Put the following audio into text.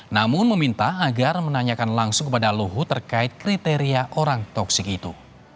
namun meminta agar menanyakan langsung kepada luhut terkait kriteria orang toksik itu